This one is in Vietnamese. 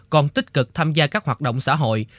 còn tích cực tham gia các hoạt động xã hội